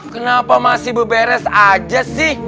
kenapa masih berberes aja sih